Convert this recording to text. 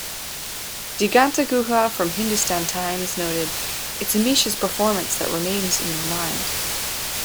Diganta Guha from "Hindustan Times" noted "...it's Ameesha's performance that remains in your mind.